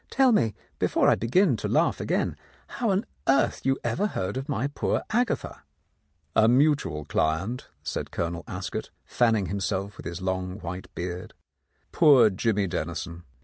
"Tell me, before I begin to laugh again, how on earth you ever heard of my poor Agatha !" "A mutual client," said Colonel Ascot, fanning himself with his long white beard. "Poor Jimmy Dennison.